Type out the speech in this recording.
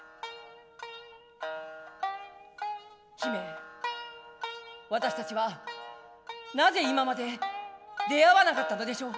「姫私たちはなぜ今まで出会わなかったのでしょう」。